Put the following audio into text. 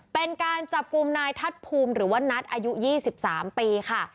เป็นการจับกลุ่มนายทัศน์ภูมิหรือว่านัทอายุ๒๓ปีค่ะ